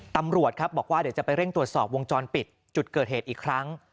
ตำรวจครับบอกว่าเดี๋ยวจะไปเร่งตรวจสอบวงจรปิดจุดเกิดเหตุอีกครั้ง